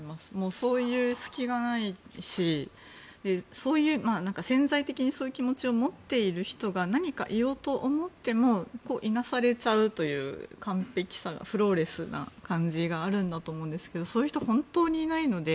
そういう隙がないし潜在的にそういう気持ちを持っている人が何か言おうと思ってもいなされちゃうという完璧さフローレスな感じがあるんだと思うんですけどそういう人は本当にいないので。